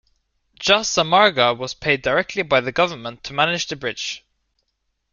Jasa Marga was paid directly by the government to manage the bridge.